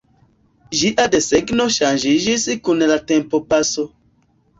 Ĝia desegno ŝanĝiĝis kun la tempopaso.